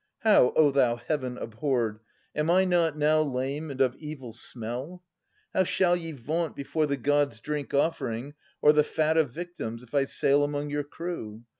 How, O thou Heaven abhorred ! am I not now Lame and of evil smell ? how shall ye vaunt Before the gods drink offering or the fat Of victims, if I sail among your crew?